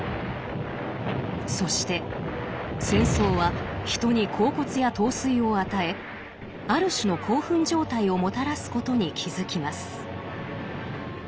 そして戦争は人に恍惚や陶酔を与えある種の興奮状態をもたらすことに気付きます。